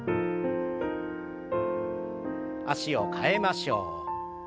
脚を替えましょう。